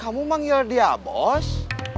kamu panggil dia bos